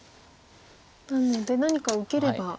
なので何か受ければ。